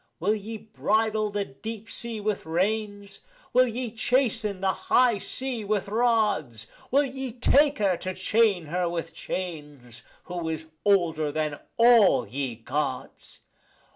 Will ye bridle the deep sea with reins, will ye chasten the high sea with rods? Will ye take her to chain her with chains, who is older than all ye Gods?